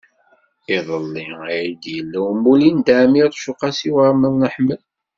Iḍelli ay d-yella umulli n Dda Ɛmiiruc u Qasi Waɛmer n Ḥmed.